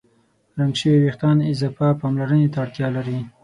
رنګ شوي وېښتيان اضافه پاملرنې ته اړتیا لري.